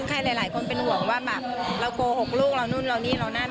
ใครหลายคนเป็นห่วงว่าแบบเราโกหกลูกเรานู่นเรานี่เรานั่น